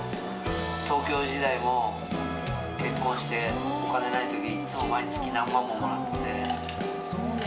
東京時代も結婚してお金がない時もいつも毎月、何万ももらって。